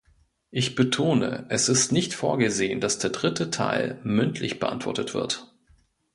Ich betone, es ist nicht vorgesehen, dass der dritte Teil mündlich beantwortet wird.